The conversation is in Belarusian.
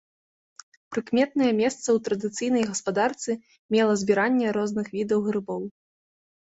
Прыкметнае месца ў традыцыйнай гаспадарцы мела збіранне розных відаў грыбоў.